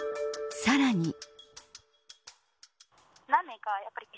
さらに。